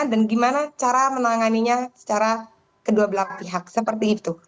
dan gimana cara menanganinya secara kedua belah pihak seperti itu